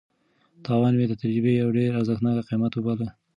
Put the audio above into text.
تاوان مې د تجربې یو ډېر ارزښتناک قیمت وباله.